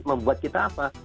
membuat kita apa